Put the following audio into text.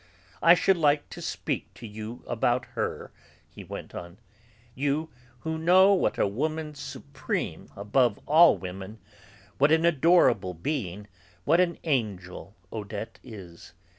"I should like to speak to you about her," he went on, "you, who know what a woman supreme above all women, what an adorable being, what an angel Odette is.